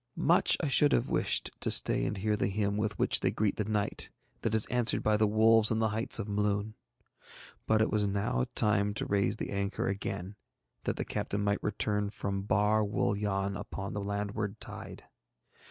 Much I should have wished to stay and hear the hymn with which they greet the night, that is answered by the wolves on the heights of Mloon, but it was now time to raise the anchor again that the captain might return from Bar Wul Yann upon the landward tide.